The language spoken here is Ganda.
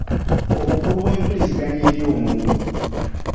obukulu bw’empuliziganya eri omuntu